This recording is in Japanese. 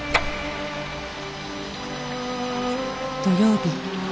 土曜日。